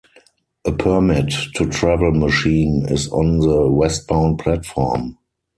A Permit to travel machine is on the westbound platform.